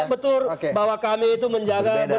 betul bahwa kami itu menjaga